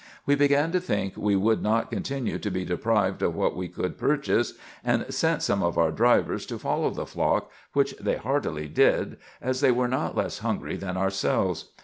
We began to think we would not continue to be deprived of what we could purchase, and sent some of our drivers to follow the flock, which they heartily did, as they were not less hungry than ourselves.